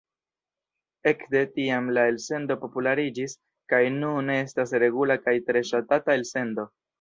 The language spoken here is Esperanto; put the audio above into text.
Ekde tiam la elsendo populariĝis kaj nun estas regula kaj tre ŝatata elsendo.